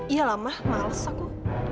iya lah ma males aku